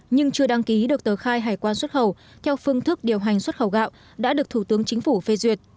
nhưng chưa đăng ký được tờ khai hải quan xuất khẩu theo phương thức điều hành xuất khẩu gạo đã được thủ tướng chính phủ phê duyệt